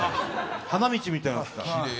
花道みたいになってた。